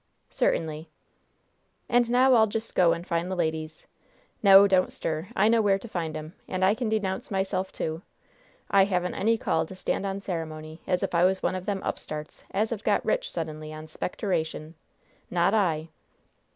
"Certainly." "And now I'll just go and find the ladies. No, don't stir! I know where to find 'em, and I can denounce myself, too! I haven't any call to stand on ceremony, as if I was one of them upstarts as have got rich suddenly on spectoration! Not I!"